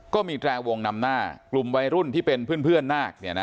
ก็มีแตรวงนำหน้ากลุ่มวัยรุ่นที่เป็นเพื่อนเพื่อนนาคเนี่ยนะ